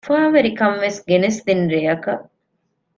އުފާވެރި ކަންވެސް ގެނެސްދިން ރެއަކަށް